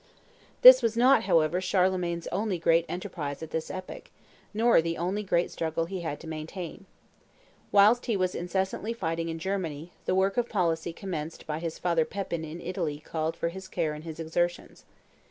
This was not, however, Charlemagne's only great enterprise at this epoch, nor the only great struggle he had to maintain. Whilst he was incessantly fighting in Germany, the work of policy commenced by his father Pepin in Italy called for his care and his exertions.